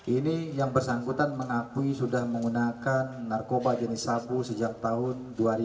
ini yang bersangkutan mengakui sudah menggunakan narkoba jenis sabu sejak tahun dua ribu